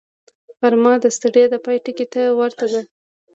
غرمه د ستړیا د پای ټکي ته ورته ده